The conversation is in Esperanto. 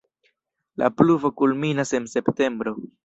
La pluvo kulminas en septembro.